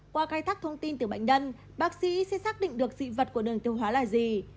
qua khai thác thông tin từ bệnh nhân bác sĩ sẽ xác định được dị vật của đường tiêu hóa là gì